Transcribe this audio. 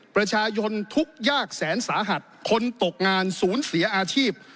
ประชาชนทุกข์ยากแสนสาหัสคนตกงานศูนย์เสียอาชีพ